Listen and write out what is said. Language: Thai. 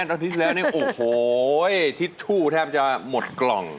อาทิตย์ที่แล้วนี่โอ้โหทิชชู่แทบจะหมดกล่อง